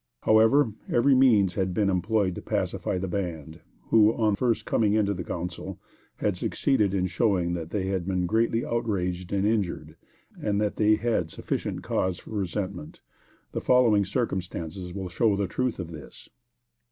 However, every means had been employed to pacify the band, who, on first coming into the council, had succeeded in showing that they had been greatly outraged and injured, and that they had sufficient cause for resentment. The following circumstances will show the truth of this.